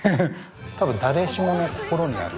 たぶん誰しもの心にある